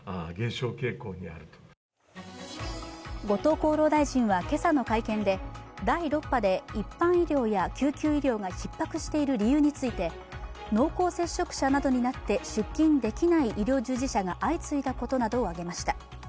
後藤厚労大臣は今朝の会見で第６波で一般医療や救急医療がひっ迫している理由について濃厚接触者などになって出勤できない医療従事者が相次いだことなどを挙げました。